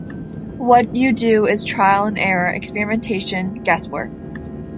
What you do is trial and error, experimentation, guesswork.